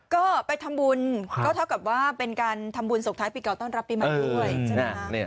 ก็ไปทำบุญก็เท่ากับว่าเป็นการทำบุญส่งท้ายปีเก่าต้อนรับปีใหม่ด้วยใช่ไหมคะ